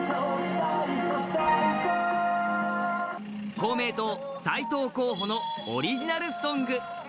公明党、斉藤候補のオリジナルソング。